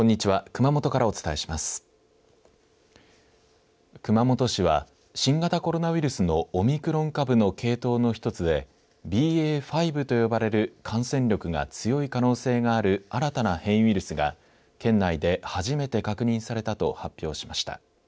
熊本市は新型コロナウイルスのオミクロン株の系統の１つでＢＡ．５と呼ばれる感染力が強い可能性がある新たな変異ウイルスが県内で初めて確認されたと発表しました。